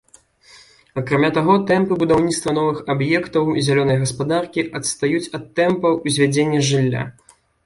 Акрамя таго, тэмпы будаўніцтва новых аб'ектаў зялёнай гаспадаркі адстаюць ад тэмпаў узвядзення жылля.